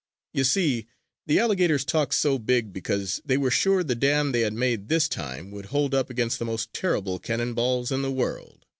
You see, the alligators talked so big because they were sure the dam they had made this time would hold up against the most terrible cannon balls in the world.